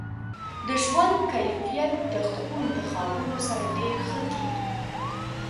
د ژوند کیفیت د ښو انتخابونو سره ډیر ښه کیږي.